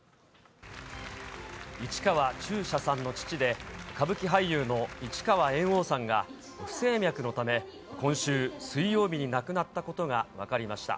市川中車さんの父で、歌舞伎俳優の市川猿翁さんが、不整脈のため、今週水曜日に亡くなったことが分かりました。